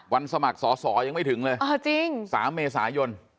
สมัครสอสอยังไม่ถึงเลย๓เมษายน